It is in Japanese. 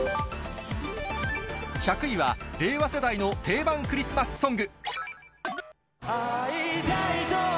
１００位は令和世代の定番クリスマスソング。